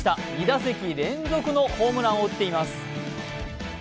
２打席連続のホームランを打っています。